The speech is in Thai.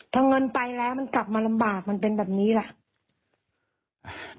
ถ้าเงินไปแล้วมันกลับมาลำบากมันเป็นแบบนี้ล่ะ